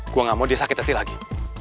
gue gak mau dia sakit hati lagi